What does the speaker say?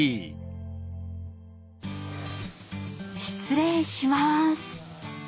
失礼します。